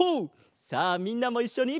さあみんなもいっしょに。